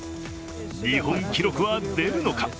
日本記録は出るのか？